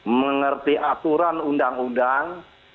mengerti aturan undang undang